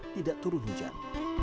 tidak turun hujan